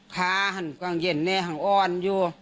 ขาทั้งกลางเย็นแน่ทั้งอ่อนอยู่